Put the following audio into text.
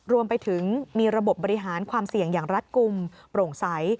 รวมไปถึงมีระบบบบริหารความเสี่ยงอย่างรัฐกลุ่มโปร่งใส